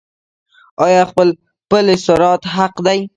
آیا پل صراط حق دی؟